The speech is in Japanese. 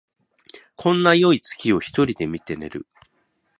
こんなよい月を一人で見て寝る